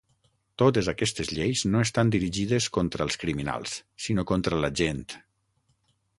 Totes aquestes lleis no estan dirigides contra els criminals, sinó contra la gent.